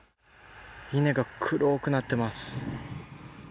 稲が黒くなっています。